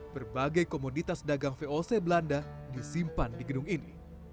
berbagai komoditas dagang voc belanda disimpan di gedung ini